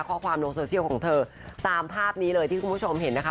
ข้อความลงโซเชียลของเธอตามภาพนี้เลยที่คุณผู้ชมเห็นนะคะ